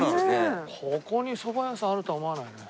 ここに蕎麦屋さんあるとは思わないね。